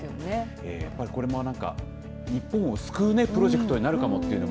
やっぱりこれも日本を救うプロジェクトになるかもという。